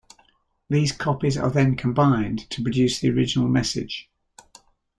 These copies are then combined to produce the original message.